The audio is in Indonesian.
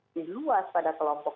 di luas pada kelompok